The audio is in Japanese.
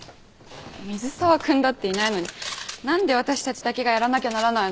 水沢君だっていないのに何で私たちだけがやらなきゃならないの？